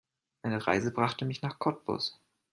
Meine Reise brachte mich nach Cottbus